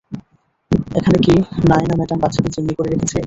এখানে কি নায়না ম্যাডাম বাচ্চাদের জিম্মি করে রেখেছে?